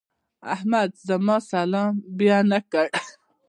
احمد زما سلام بيا نه کړ.